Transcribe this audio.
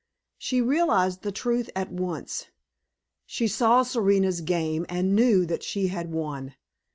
She realized the truth at once; she saw Serena's game, and knew that she had won.